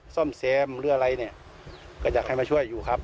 ซ่อมแซมหรืออะไรเนี่ยก็อยากให้มาช่วยอยู่ครับ